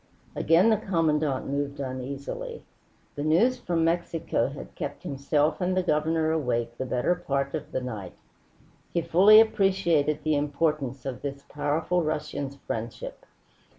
Again the Commandante moved uneasily. The news from Mexico had kept himself and the Governor awake the better part of the night. He fully appreciated the importance of this powerful Russian's friendship.